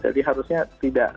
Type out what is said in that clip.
jadi harusnya tidak